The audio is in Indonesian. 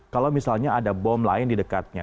kalau misalnya ada bom lain di dekatnya